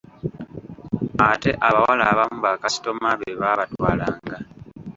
Ate abawala abamu bakasitoma be baabatwalanga.